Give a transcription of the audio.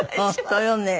本当よね。